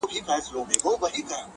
راسه چي دي حسن ته جامي د غزل واغوندم,